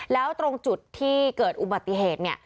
แล้วตรงจุดที่เกิดอุบัติเหตุเนี่ย